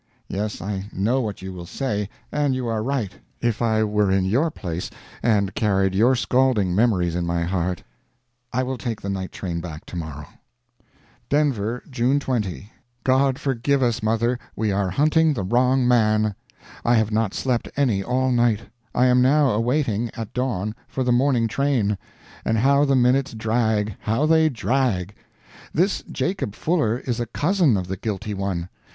Yes, I know what you will say, and you are right: if I were in your place, and carried your scalding memories in my heart I will take the night train back to morrow. DENVER, June 20. God forgive us, mother, we are hunting the wrong man! I have not slept any all night. I am now awaiting, at dawn, for the morning train and how the minutes drag, how they drag! This Jacob Fuller is a cousin of the guilty one.